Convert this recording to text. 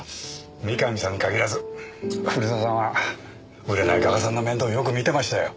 三上さんに限らず古澤さんは売れない画家さんの面倒をよく見てましたよ。